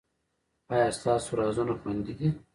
ایا ستاسو رازونه خوندي دي؟